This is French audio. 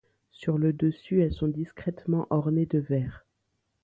Sur le dessus elles sont discrètement ornées de vert.